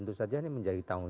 mbak kayak gitu